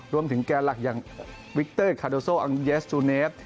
แกนหลักอย่างวิกเตอร์คาโดโซอังเยสจูเนฟ